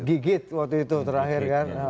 gigit waktu itu terakhir kan